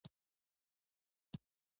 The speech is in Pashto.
خپلې خبرې پیل کړې.